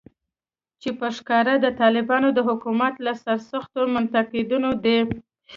چې په ښکاره د طالبانو د حکومت له سرسختو منتقدینو دی